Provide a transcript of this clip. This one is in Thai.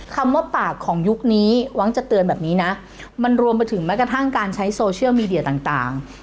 คำว่าปากของยุคนี้หวังจะเตือนแบบนี้นะมันรวมไปถึงแม้กระทั่งการใช้โซเชียลมีเดียต่าง